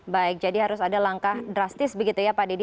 baik jadi harus ada langkah drastis begitu ya pak dedy